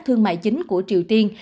thương mại chính của triều tiên